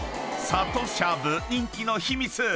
［さとしゃぶ人気の秘密